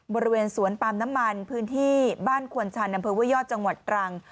บริเวณสวนปาล์มน้ำมันพื้นที่บ้านควนชันอำเภอห้วยยอดจังหวัดตรัง